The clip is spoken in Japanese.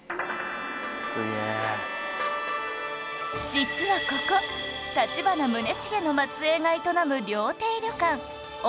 実はここ立花宗茂の末裔が営む料亭旅館御花